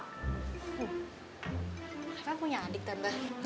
apa punya adik tante